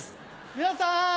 皆さん